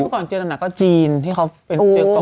ที่ก่อนเจอกันก็จีนที่เขาเป็นเจอกร